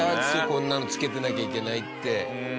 こんなの着けてなきゃいけないって。